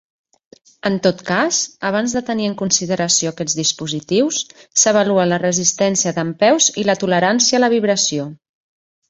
En tot cas, abans de tenir en consideració aquests dispositius s'avalua la resistència dempeus i la tolerància a la vibració.